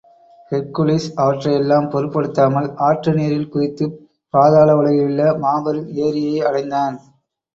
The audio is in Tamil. ஹெர்க்குலிஸ் அவற்றையெல்லாம் பொருட்படுத்தாமல், ஆற்று நீரில் குதித்துப் பாதாள உலகிலுள்ள மாபெரும் ஏரியை அடைந்தான்.